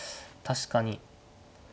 確かに。